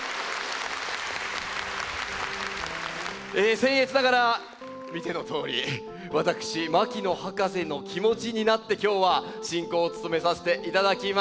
せん越ながら見てのとおり私牧野博士の気持ちになって今日は進行を務めさせていただきます。